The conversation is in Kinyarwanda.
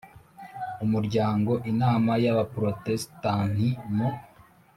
Umuryango inama y abaprotesitanti mu